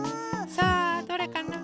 さあどれかな？